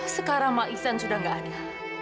sekarang mas iksan sudah gak ada